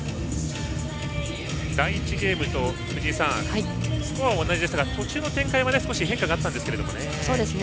第１ゲームと、藤井さんスコアは同じでしたが途中の展開は少し変化があったんですけどね。